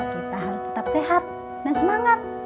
kita harus tetap sehat dan semangat